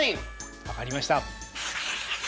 分かりました。